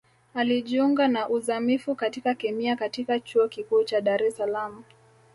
Alijiunga na Uzamivu katika Kemia katika Chuo Kikuu cha Dar es Salaam